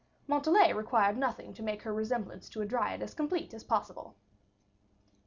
Montalais required nothing to make her resemblance to a dryad as complete as possible.